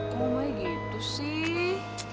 kamu mah gitu sih